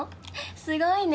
すごいね。